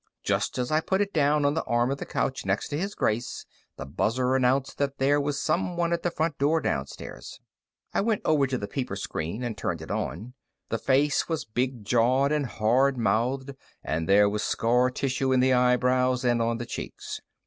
Just as I put it down on the arm of the couch next to His Grace, the buzzer announced that there was someone at the front door downstairs. I went over to the peeper screen and turned it on. The face was big jawed and hard mouthed, and there was scar tissue in the eyebrows and on the cheeks.